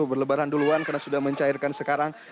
berlebaran duluan karena sudah mencairkan sekarang